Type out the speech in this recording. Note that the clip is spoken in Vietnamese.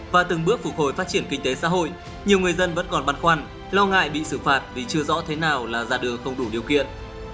và từng bước phục hồi phát triển kinh tế xã hội nhiều người dân vẫn còn băn khoăn lo ngại bị xử phạt vì chưa rõ thế nào là ra đường không đủ điều kiện